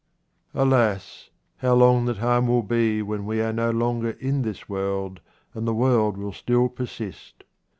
Alas ! how long the time will be when we are no longer in this world, and the world will still persist.